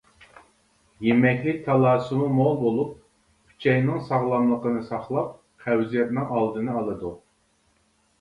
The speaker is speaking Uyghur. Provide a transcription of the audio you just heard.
يېمەكلىك تالاسىمۇ مول بولۇپ، ئۈچەينىڭ ساغلاملىقىنى ساقلاپ، قەۋزىيەتنىڭ ئالدىنى ئالىدۇ.